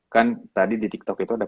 kan tadi di tiktok itu ada